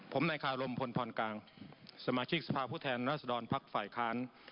ผมนายคารมพลพรกลางสมาชิกสภาพผู้แทนรัศดรภักดิ์ฝ่ายค้าน